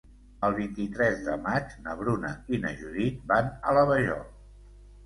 El vint-i-tres de maig na Bruna i na Judit van a la Vajol.